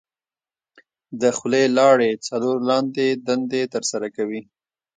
د خولې لاړې څلور لاندې دندې تر سره کوي.